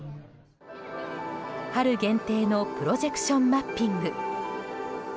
春限定のプロジェクションマッピング。